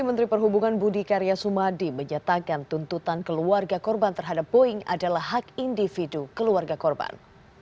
menteri perhubungan budi karya sumadi menyatakan tuntutan keluarga korban terhadap boeing adalah hak individu keluarga korban